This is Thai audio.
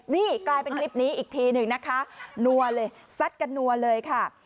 นี่กลายเป็นคลิปนี้อีกทีหนึ่งนะคะนัวเลยซัดกันนัวเลยค่ะ